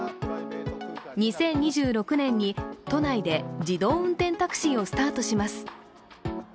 ２０２６年に都内で自動運転タクシーをスタートします。